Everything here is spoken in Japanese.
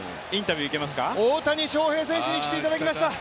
大谷翔平選手に来ていただきました。